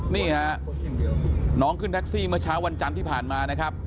นี่ฮะน้องขึ้นแท็กซี่เมื่อเช้าวันจันทร์ที่ผ่านมานะครับ